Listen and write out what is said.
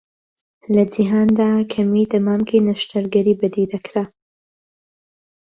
لە جیهاندا کەمی دەمامکی نەشتەرگەری بەدیدەکرا.